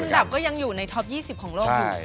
ดับก็ยังอยู่ในท็อป๒๐ของโลกอยู่